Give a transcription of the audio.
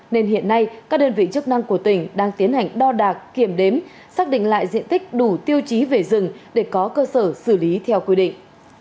nên hiện nay các đơn vị chức năng của tỉnh đang tiến hành đo đạc kiểm đếm xác định lại diện tích đủ tiêu chí về rừng để có cơ sở xử lý theo quy định